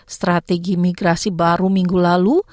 strategi migrasi baru minggu lalu